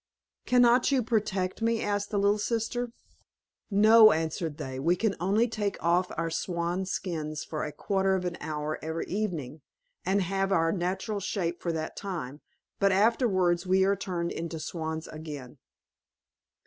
"Cannot you protect me?" asked the little sister. "No," answered they, "we can only take off our swan's skins for a quarter of an hour every evening, and have our natural shape for that time, but afterwards we are turned into swans again."